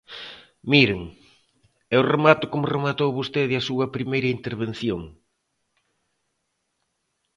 Miren, eu remato como rematou vostede a súa primeira intervención.